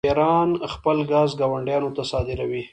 ایران خپل ګاز ګاونډیانو ته صادروي.